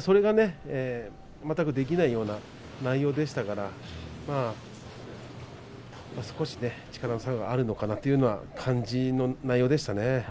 それが全くできないような内容でしたから少し力の差があるのかなと感じる内容でしたね。